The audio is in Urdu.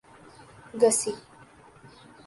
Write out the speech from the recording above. گسی